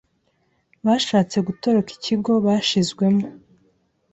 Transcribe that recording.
bashatse gutoroka ikigo bashizwemwo